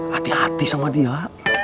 hati hati sama dia